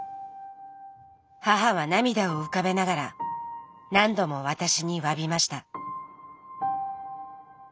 母は涙を浮かべながら何度も私にわびました。